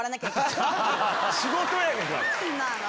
仕事やねんから！